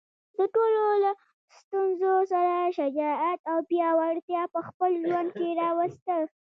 د ټولو له ستونزو سره شجاعت او پیاوړتیا په خپل ژوند کې راوستل.